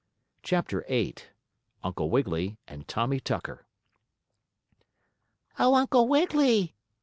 CHAPTER VIII UNCLE WIGGILY AND TOMMIE TUCKER "Oh, Uncle Wiggily!"